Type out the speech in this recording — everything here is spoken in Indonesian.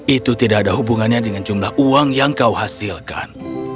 itu tidak ada hubungannya dengan jumlah uang yang kau hasilkan